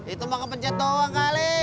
itu mah kepencet doang kali